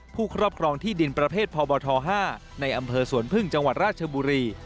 ครอบครองที่ดินประเภทพบท๕ในอำเภอสวนพึ่งจังหวัดราชบุรี